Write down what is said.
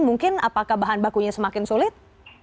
mungkin apakah bahan bakunya semakin sulit